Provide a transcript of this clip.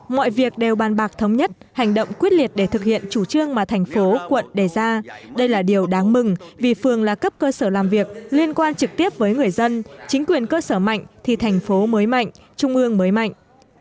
mọi việc đều bàn bạc thống nhất hành động quyết liệt để thực hiện chủ trương mà thành phố quận đề ra đây là điều đáng mừng vì phường là cấp cơ sở làm việc liên quan trực tiếp với người dân chính quyền cơ sở mạnh thì thành phố mới mạnh trung ương mới mạnh